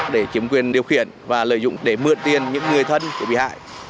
để chiếm quyền điều khiển và lợi dụng để mượn tiền những người thân của bị hại